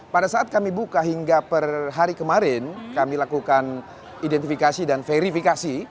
pada saat kami buka hingga per hari kemarin kami lakukan identifikasi dan verifikasi